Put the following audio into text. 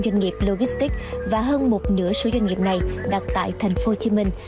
doanh nghiệp logistic và hơn một nửa số doanh nghiệp này đặt tại thành phố hồ chí minh